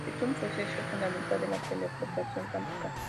Es un proceso fundamental de la teleportación cuántica.